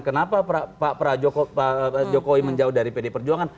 kenapa pak jokowi menjauh dari pd perjuangan